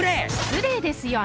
失礼ですよ